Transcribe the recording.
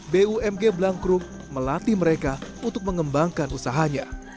bumg blangkrum melatih mereka untuk mengembangkan usahanya